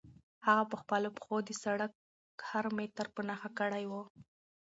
هغه په خپلو پښو د سړک هر متر په نښه کړی و.